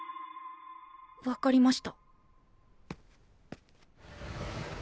分かりました。